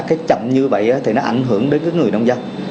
cái chậm như vậy thì nó ảnh hưởng đến cái người nông dân